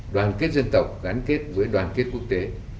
đoàn kết dân tộc gắn kết với đoàn kết quốc tế